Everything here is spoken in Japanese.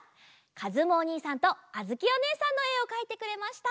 かずむおにいさんとあづきおねえさんのえをかいてくれました！